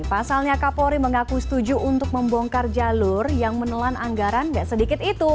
pasalnya kapolri mengaku setuju untuk membongkar jalur yang menelan anggaran nggak sedikit itu